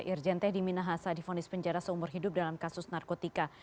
irjen teddy minahasa difonis penjara seumur hidup dalam kasus narkotika